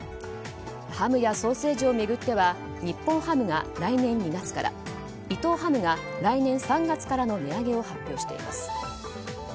ハムやソーセージを巡っては日本ハムが来年２月から伊藤ハムが来年３月からの値上げを発表しています。